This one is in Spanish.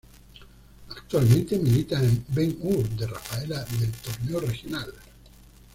Actualmente milita en Ben Hur de Rafaela del Torneo Regional.